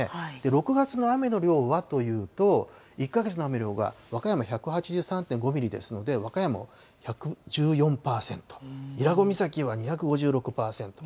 ６月の雨の量はというと、１か月の雨の量が、和歌山１８３．５ミリですので、和歌山は１１４％、伊良湖岬は２５６％。